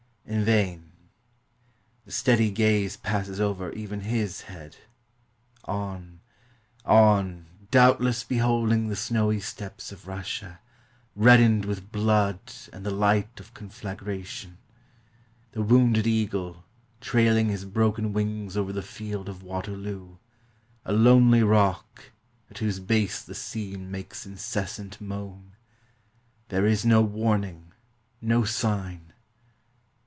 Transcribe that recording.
In vain. The steady gaze passes over even A/5 head; on — on — doubtless beholding the snowy steppes of Russia, reddened with blood and the light of conflagration; the wounded eagle, trailing his broken wings over the field of Waterloo; a lonely rock, at whose base the sea makes inces sant moan! There is no warning, no sign!